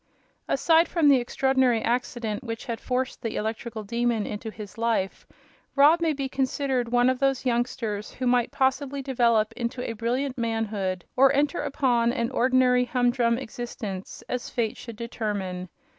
Aside from the extraordinary accident which had forced the Electrical Demon into this life, Rob may be considered one of those youngsters who might possibly develop into a brilliant manhood or enter upon an ordinary, humdrum existence, as Fate should determine.